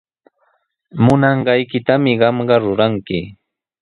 Munanqaykitami qamqa ruranki.